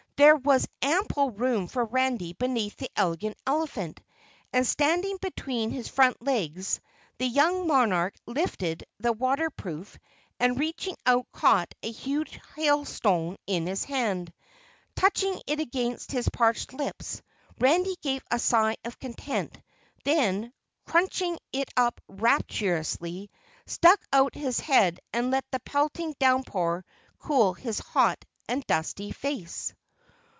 There was ample room for Randy beneath the Elegant Elephant, and standing between his front legs the young monarch lifted the waterproof, and reaching out caught a huge hailstone in his hand. Touching it against his parched lips, Randy gave a sigh of content, then crunching it up rapturously, stuck out his head and let the pelting downpour cool his hot and dusty face.